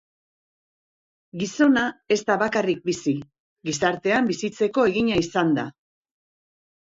Gizona ez da bakarrik bizi; gizartean bizitzeko egina izan da.